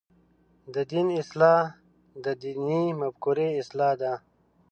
د دین اصلاح د دیني مفکورې اصلاح ده.